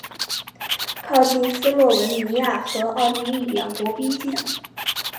靠近斯洛文尼亚和奥地利两国边境。